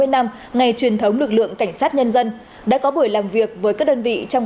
sáu mươi năm ngày truyền thống lực lượng cảnh sát nhân dân đã có buổi làm việc với các đơn vị trong